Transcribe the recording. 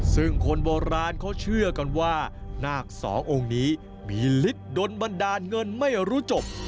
ซึ่งคนโบราณเขาเชื่อกันว่านาคสององค์นี้มีฤทธิ์โดนบันดาลเงินไม่รู้จบ